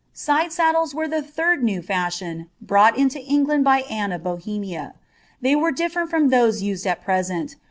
Side saddles were the third new fashion, brought into Et^fcuirf liy Anne of Bohemia : they were different from those used at pM^ent.